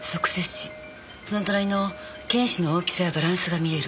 その隣の犬歯の大きさやバランスが見える。